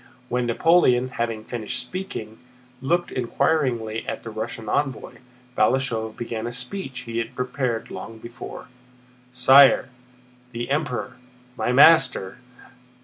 When Napoleon, having finished speaking, looked inquiringly at the Russian envoy, Balashëv began a speech he had prepared long before: "Sire! The Emperor, my master..."